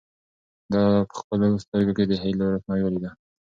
ده په خپلو سترګو کې د هیلو روښنايي ولیده.